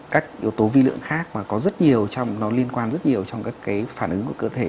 các yếu tố vi lượng khác mà có rất nhiều trong nó liên quan rất nhiều trong các cái phản ứng của cơ thể